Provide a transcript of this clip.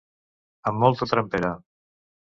Amb molta trempera.